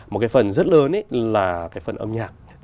một cái phần rất lớn ấy là cái phần âm nhạc